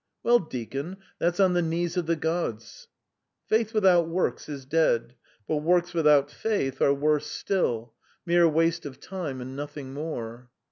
"Well, deacon, that's on the knees of the gods." "Faith without works is dead, but works without faith are worse still mere waste of time and nothing more."